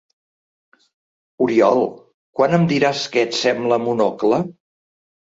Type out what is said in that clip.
Oriol, ¿quan em diràs què et sembla Monocle?